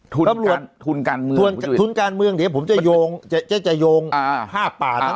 ทุนการเมืองทุนการเมืองเดี๋ยวผมจะโยง๕ป่าทั้งป่าให้ฟัง